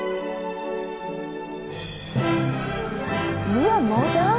うわっモダン。